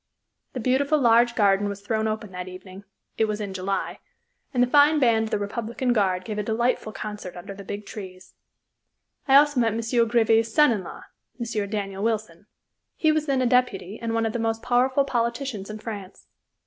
The beautiful, large garden was thrown open that evening, it was in July, and the fine band of the Republican Guard gave a delightful concert under the big trees. I also met M. Grévy's son in law, M. Daniel Wilson. He was then a deputy and one of the most powerful politicians in France.